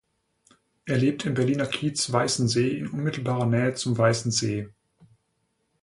Er lebt im Berliner Kiez Weißensee in unmittelbarer Nähe zum Weißen See.